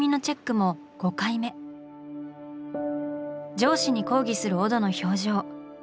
上司に抗議するオドの表情。